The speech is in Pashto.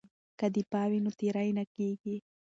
که دفاع وي نو تیری نه کیږي.